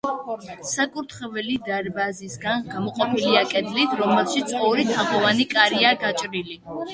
საკურთხეველი დარბაზისგან გამოყოფილია კედლით, რომელშიც ორი თაღოვანი კარია გაჭრილი.